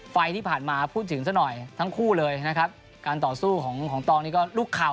ไฟล์ที่ผ่านมาพูดถึงซะหน่อยทั้งคู่เลยนะครับการต่อสู้ของของตองนี่ก็ลูกเข่า